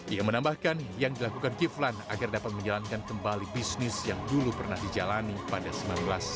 ia menambahkan yang dilakukan kiflan agar dapat menjalankan kembali bisnis yang dulu pernah dijalankan